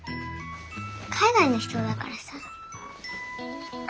海外の人だからさ。